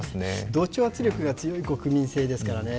同調圧力が強い国民性ですからね。